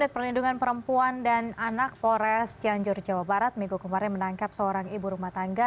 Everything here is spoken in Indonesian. perlindungan perempuan dan anak polres cianjur jawa barat minggu kemarin menangkap seorang ibu rumah tangga